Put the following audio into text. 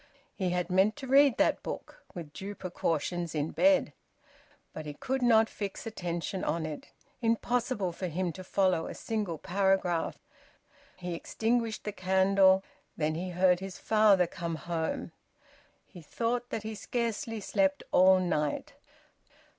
He had meant to read that book, with due precautions, in bed. But he could not fix attention on it. Impossible for him to follow a single paragraph. He extinguished the candle. Then he heard his father come home. He thought that he scarcely slept all night.